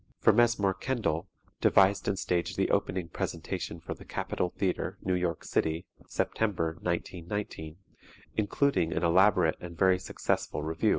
For Mesmore Kendall, devised and staged the opening presentation for the Capitol Theatre, New York City, September, 1919, including an elaborate and very successful revue.